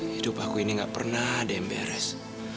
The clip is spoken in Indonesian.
hidup aku ini gak pernah ada yang beres